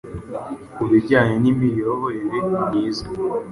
ku bijyanye n’imiyoborere myiza